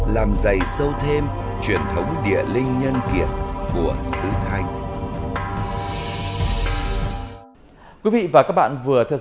làm dày sâu thêm truyền thống địa linh nhân kiệt của sứ thành